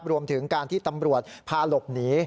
รวมถึงการที่ตำรวจพาหลบหนี